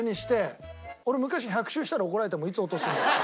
俺昔１００周したら怒られたもんいつ落とすんだって。